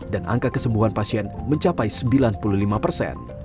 dan angka kesembuhan pasien mencapai sembilan puluh lima persen